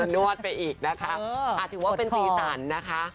นวดไปอีกนะคะถือว่าเป็นสีสันนะคะ